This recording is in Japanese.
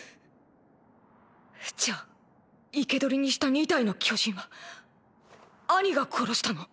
じゃあ生け捕りにした２体の巨人はアニが殺したの？